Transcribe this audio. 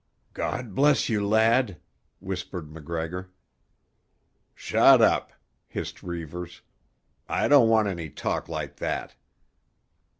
"God bless you, lad!" whispered MacGregor. "Shut up!" hissed Reivers. "I don't want any talk like that."